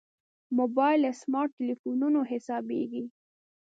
موبایل له سمارټ تلېفونه حسابېږي.